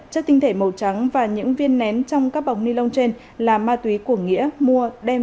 chất tinh thể màu trắng và những viên nén trong các bọc ni lông trên là ma túy của nghĩa mua đem